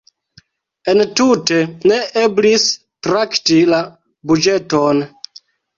Entute ne eblis trakti la buĝeton.